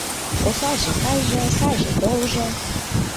Осалже кайыже, сайже толжо!